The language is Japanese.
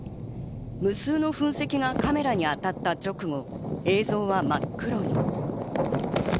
無数の噴石がカメラに当たった直後、映像は真っ黒に。